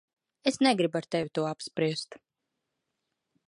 Es negribu ar tevi to apspriest.